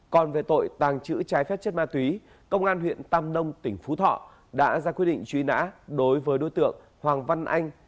còn về tội tàng trữ trái phép chất ma túy công an huyện tam nông tỉnh phú thọ đã ra quyết định truy nã đối với đối tượng hoàng văn anh